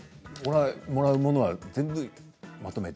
もらうものは全部まとめて。